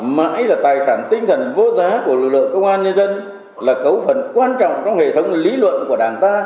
mãi là tài sản tinh thần vô giá của lực lượng công an nhân dân là cấu phần quan trọng trong hệ thống lý luận của đảng ta